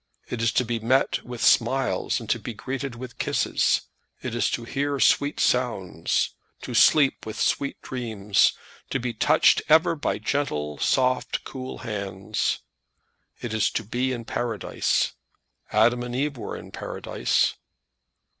It is to be met with smiles, and to be greeted with kisses. It is to hear sweet sounds, to sleep with sweet dreams, to be touched ever by gentle, soft, cool hands. It is to be in paradise. Adam and Eve were in paradise.